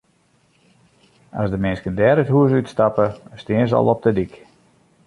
As de minsken dêr it hûs út stappe, stean se al op de dyk.